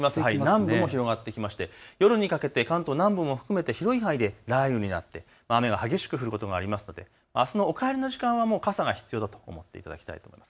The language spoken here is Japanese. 南部も広がってきまして夜にかけて関東南部も含めて広い範囲で雷雨になって雨が激しく降ることがありますので、あすのお帰りの時間は傘が必要だと思ってください。